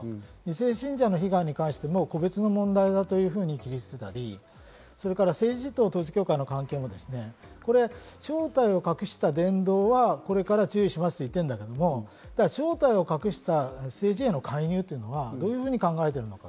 ２世信者の被害に関しても個別の問題だと切り捨てたり、それから政治と統一教会の関係も正体を隠した言動はこれから注意しますと言ってんだけど、正体を隠した政治への介入というのはどういうふうに考えているのか？